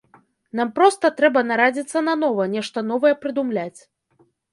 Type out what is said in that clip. Нам проста трэба нарадзіцца нанова, нешта новае прыдумляць.